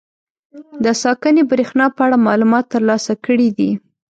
د ساکنې برېښنا په اړه معلومات تر لاسه کړي دي.